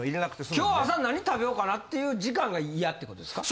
今日朝何食べようかなっていう時間がイヤって事ですか？